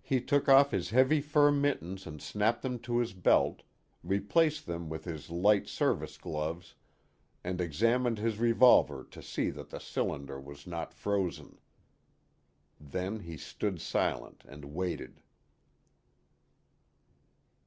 He took off his heavy fur mittens and snapped them to his belt, replaced them with his light service gloves, and examined his revolver to see that the cylinder was not frozen. Then he stood silent and waited.